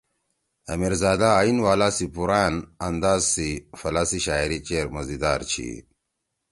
آمیرزادہ آئین والا سی پُوران انداز سی پھلا سی شاعری چیر مزیدار چھی۔